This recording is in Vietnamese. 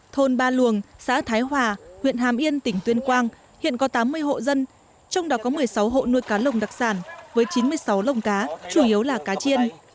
thôn ba luồng xã thái hòa huyện hàm yên tỉnh tuyên quang hiện có tám mươi hộ dân trong đó có một mươi sáu hộ nuôi cá lồng đặc sản với chín mươi sáu lồng cá chủ yếu là cá chiên